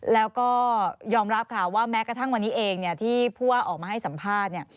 แล้วก็ยอมรับค่ะว่าแม้กระทั่งวันนี้เองที่ผู้ว่าออกมาให้สัมภาษณ์เนี่ย